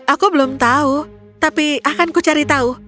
aku belum tahu tapi akan kucari tahu